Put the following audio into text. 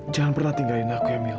jangan pernah tinggalin aku ya mila